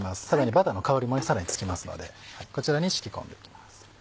バターの香りもさらにつきますのでこちらに敷き込んでいきます。